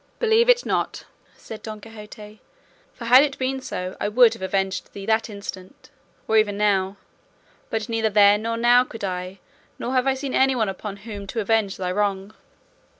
"Believe it not," said Don Quixote, "for had it been so, I would have avenged thee that instant, or even now; but neither then nor now could I, nor have I seen anyone upon whom to avenge thy wrong."